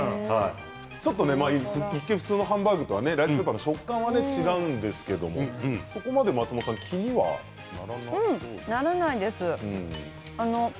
一見普通のハンバーグとはライスペーパーの食感で違うんですが、そこまで気にならないです。